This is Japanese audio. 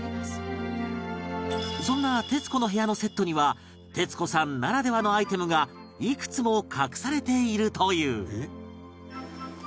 そんな『徹子の部屋』のセットには徹子さんならではのアイテムがいくつも隠されているという